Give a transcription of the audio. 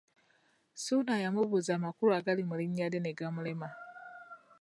Ssuuna yamubuuza amakulu agali mu linnya lye ne gamulema.